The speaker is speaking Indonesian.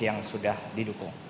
yang sudah didukung